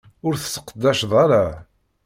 Ur t-sseqdacen ara.